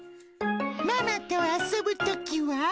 ママと遊ぶときは。